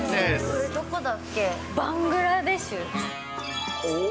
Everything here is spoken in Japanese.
これ、どこだっけ？